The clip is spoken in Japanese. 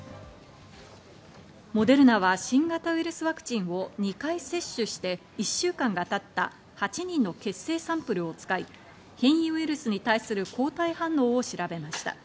モデルナは新型ウイルスワクチンを２回接種して１週間がたった８人の血清サンプルを使い、変異ウイルスに対する抗体反応を調べました。